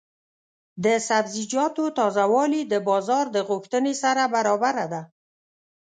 د سبزیجاتو تازه والي د بازار د غوښتنې سره برابره ده.